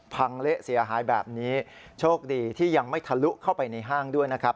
เละเสียหายแบบนี้โชคดีที่ยังไม่ทะลุเข้าไปในห้างด้วยนะครับ